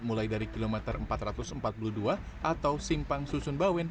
mulai dari kilometer empat ratus empat puluh dua atau simpang susun bawen